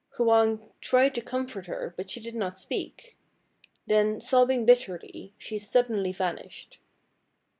Hwang tried to comfort her, but she did not speak. Then, sobbing bitterly, she suddenly vanished.